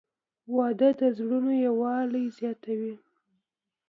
• واده د زړونو یووالی زیاتوي.